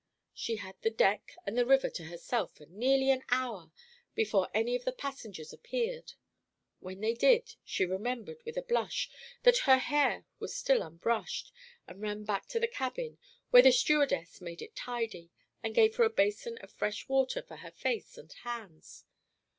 She had the deck and the river to herself for nearly an hour before any of the passengers appeared; when they did, she remembered, with a blush, that her hair was still unbrushed, and ran back to the cabin, when the stewardess made it tidy, and gave her a basin of fresh water for her face and hands.